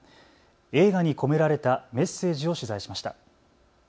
映画に込められたメッセージを取材しました。